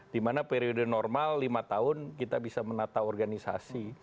dimana periode normal lima tahun kita bisa menata organisasi